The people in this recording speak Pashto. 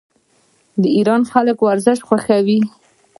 د ایران خلک ورزش خوښوي.